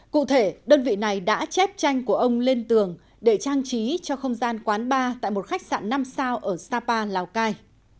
cụ thể đơn vị này đã chép tranh của ông lên tường để trang trí cho không gian quán bar tại một khách sạn năm sao ở sapa lào cai